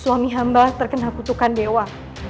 suami hamba terkena kutukan dewa